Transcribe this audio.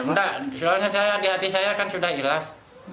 nggak soalnya di hati saya kan sudah hilang